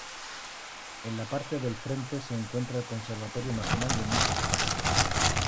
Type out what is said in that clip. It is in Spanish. En la parte del frente se encuentra el Conservatorio Nacional de Música.